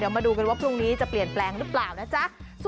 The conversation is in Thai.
มาดูกันว่าพรุ่งนี้จะเปลี่ยนแปลงหรือเปล่านะจ๊ะ